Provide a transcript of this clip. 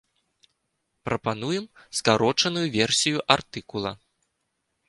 Прапануем скарочаную версію артыкула.